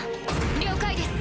了解です！